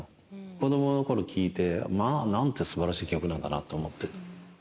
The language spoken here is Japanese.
子どものころ聴いて、まあ、なんてすばらしい曲なんだと思って。